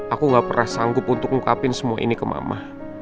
aku gak pernah sanggup untuk ngungkapin semua ini ke mama